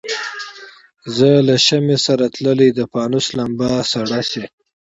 زه له شمعي سره تللی د پانوس لمبه سړه سي